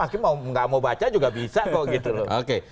hakim nggak mau baca juga bisa kok gitu loh